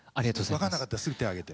分かんなかったらすぐ手あげて。